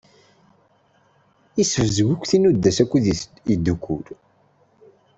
Teḥwaj aya.